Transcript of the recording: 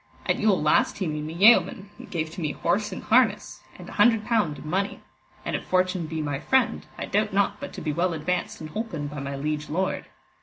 At Yule last he made me yeoman, and gave to me horse and harness, and an hundred pound in money; and if fortune be my friend, I doubt not but to be well advanced and holpen by my liege lord.